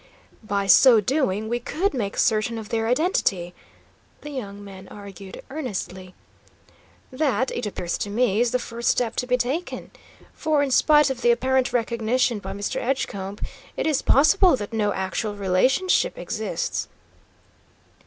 "By so doing, we could make certain of their identity," the young man argued, earnestly. "That, it appears to me, is the first step to be taken. For, in spite of the apparent recognition by Mr. Edgecombe, it is possible that no actual relationship exists."